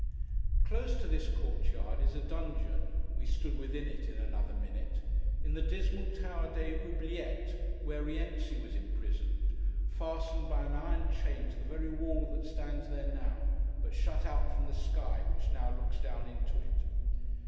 Close to this court yard is a dungeon—we stood within it, in another minute—in the dismal tower des oubliettes, where Rienzi was imprisoned, fastened by an iron chain to the very wall that stands there now, but shut out from the sky which now looks down into it.